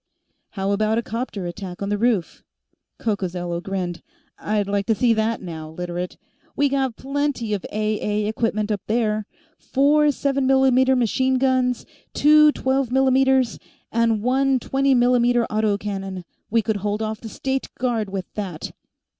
"How about a 'copter attack on the roof?" Coccozello grinned. "I'd like to see that, now, Literate. We got plenty of A A equipment up there four 7 mm machine guns, two 12 mm's, and one 20 mm auto cannon. We could hold off the State Guard with that."